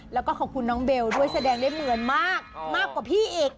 แล้วก็ขอบคุณน้องเบลด้วยแสดงได้เหมือนมากมากกว่าพี่อีก